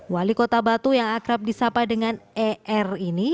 wali kota batu yang akrab disapa dengan er ini